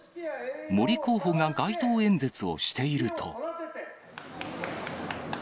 森候補が街頭演説をしていると。